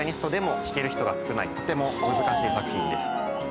とても難しい作品です。